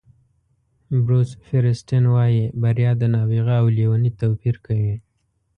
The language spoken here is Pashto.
بروس فیریسټن وایي بریا د نابغه او لېوني توپیر کوي.